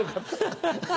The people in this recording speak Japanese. ハハハ。